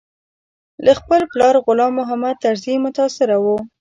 له خپل پلار غلام محمد طرزي متاثره و.